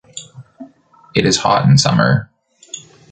It is hot in summer.